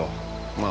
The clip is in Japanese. まあ